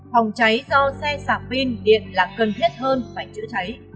phòng cháy do xe xạc pin điện là cần thiết hơn phải chữ cháy